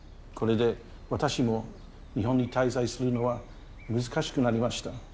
これで私も日本に滞在するのは難しくなりました。